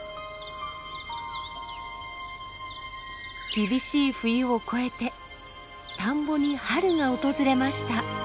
厳しい冬を越えて田んぼに春が訪れました。